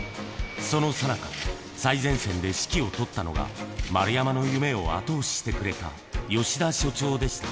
そのさなか、最前線で指揮を執ったのが、丸山の夢を後押ししてくれた吉田所長でした。